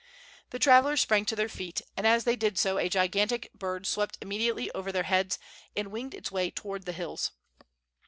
The travelers sprang to their feet, and as they did so a gigantic bird swept immediately over their heads and winged its way toward the hills.